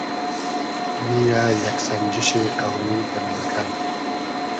نییۂ یئگ سئنجیشی قۆمی دۂ مېنکئل